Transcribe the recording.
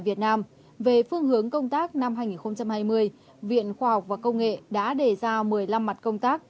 việt nam về phương hướng công tác năm hai nghìn hai mươi viện khoa học và công nghệ đã đề ra một mươi năm mặt công tác